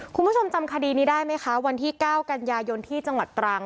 คุณผู้ชมจำคดีนี้ได้ไหมคะวันที่๙กันยายนที่จังหวัดตรัง